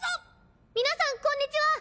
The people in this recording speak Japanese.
皆さんこんにちは！